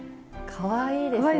かわいいですか？